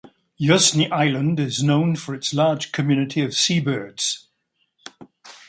Yuzhny island is known for its large community of sea birds.